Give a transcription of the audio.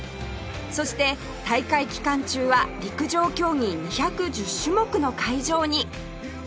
そして大会期間中は陸上競技２１０種目の会場に